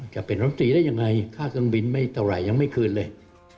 จะเป็นรัฐมนตรีได้ยังไงค่าเครื่องบินไม่เท่าไหร่ยังไม่คืนเลย